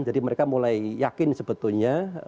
jadi mereka mulai yakin sebetulnya